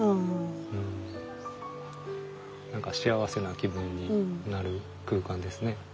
何か幸せな気分になる空間ですね。